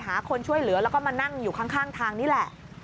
หาคนช่วยเหลือแล้วก็มานั่งอยู่ข้างทางนี่แหละ